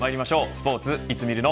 スポーツいつ見るの。